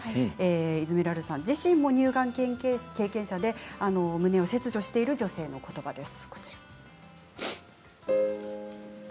イズメラルダさん自身も乳がん経験者で乳房を切除している女性の言葉です。